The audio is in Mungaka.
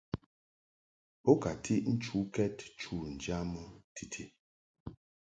Bo ka tiʼ nchukɛd chu ŋjamɨ titi.